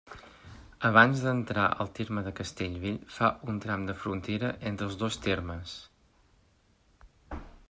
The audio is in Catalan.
Abans d'entrar al terme de Castellvell fa un tram de frontera entre els dos termes.